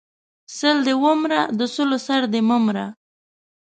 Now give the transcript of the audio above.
سل دې و مره، د سلو سر دې مه مره!